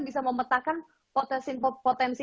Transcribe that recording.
bisa memetakan potensi